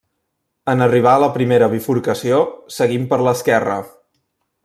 En arribar a la primera bifurcació, seguim per l'esquerra.